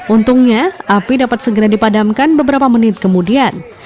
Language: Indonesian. untungnya api dapat segera dipadamkan beberapa menit kemudian